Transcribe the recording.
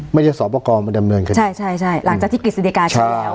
สอบประกอบมาดำเนินคดีใช่ใช่หลังจากที่กฤษฎิกาใช้แล้ว